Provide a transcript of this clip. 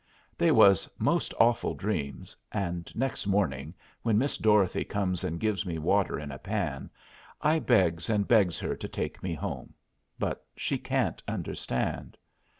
They was most awful dreams, and next morning, when Miss Dorothy comes and gives me water in a pan, I begs and begs her to take me home; but she can't understand.